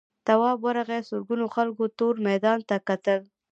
تواب ورغی سلگونو خلکو تور میدان ته کتل.